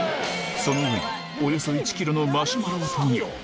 その上におよそ１キロのマシュマロを投入。